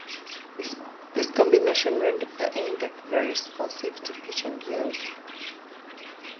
This combination rendered the "Eindecker" very responsive to pitch and yaw.